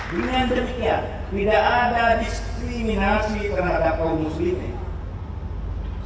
dengan demikian tidak ada diskriminasi terhadap kaum muslim ini